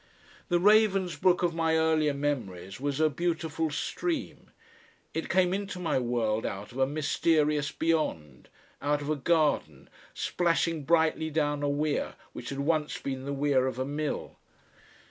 The Ravensbrook of my earlier memories was a beautiful stream. It came into my world out of a mysterious Beyond, out of a garden, splashing brightly down a weir which had once been the weir of a mill.